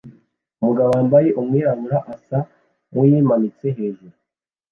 Umugabo wambaye umwirabura asa nkuwimanitse hejuru